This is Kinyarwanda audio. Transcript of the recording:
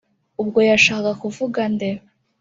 ubwo yashakaga kuvuga nde